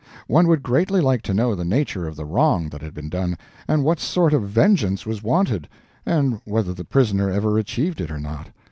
One would greatly like to know the nature of the wrong that had been done, and what sort of vengeance was wanted, and whether the prisoner ever achieved it or not.